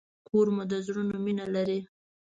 کور د زړونو مینه لري.